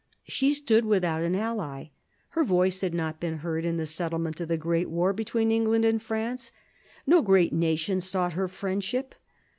She stood without an ally. Her voice had not been heard in the settlement of the great war between England and France. No great nation sought her friendship.